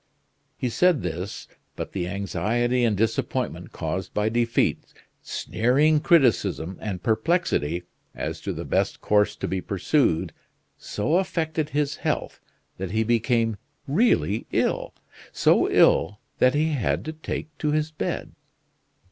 He said this, but the anxiety and disappointment caused by defeat, sneering criticism, and perplexity, as to the best course to be pursued, so affected his health that he became really ill so ill that he had to take to his bed.